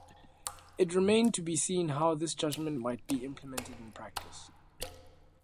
It remained to be seen how this judgment might be implemented in practice.